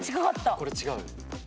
これ違うよ。